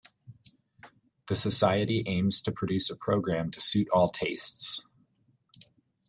The Society aims to produce a programme to suit all tastes.